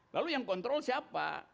lalu yang kontrol siapa